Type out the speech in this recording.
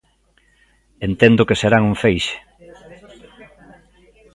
Entendo que serán un feixe...